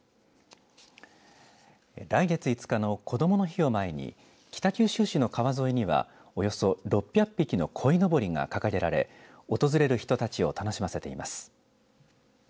来月５日のこどもの日を前に北九州市の川沿いにはおよそ６００匹のこいのぼりが掲げられ訪れる人たちを楽しませています。